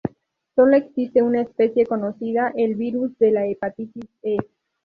Sólo existe una especie conocida, el "virus de la Hepatitis E".